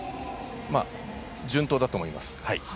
順当だと思います。